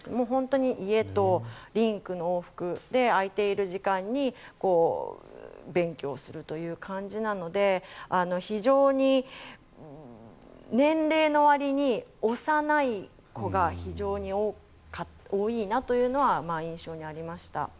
本当に家とリンクの往復で空いている時間に勉強をするという感じなので非常に年齢のわりに幼い子が非常に多いなというのは印象にありました。